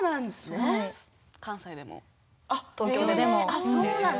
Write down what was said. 関西でも東京でも。